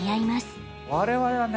我々はね